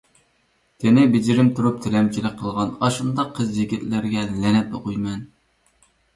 تېنى بېجىرىم تۇرۇپ تىلەمچىلىك قىلغان ئاشۇنداق قىز-يىگىتلەرگە لەنەت ئوقۇيمەن!